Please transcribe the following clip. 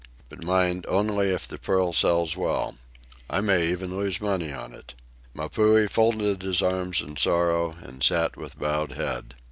But mind, only if the pearl sells well. I may even lose money on it." Mapuhi folded his arms in sorrow and sat with bowed head.